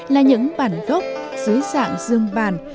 là những bản gốc dưới dạng dương bản